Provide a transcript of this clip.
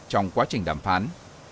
trong quá trình đàm phán